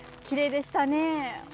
きれいでしたね。